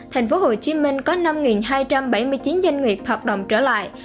tp hcm có năm hai trăm bảy mươi chín doanh nghiệp hoạt động trở lại